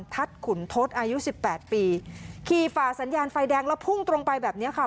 ขุนทศอายุสิบแปดปีขี่ฝ่าสัญญาณไฟแดงแล้วพุ่งตรงไปแบบเนี้ยค่ะ